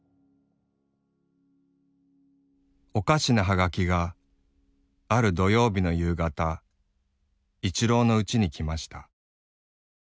「おかしなはがきがある土曜日の夕がた一郎のうちにきました。